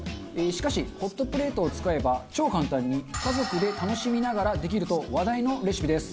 しかしホットプレートを使えば超簡単に家族で楽しみながらできると話題のレシピです。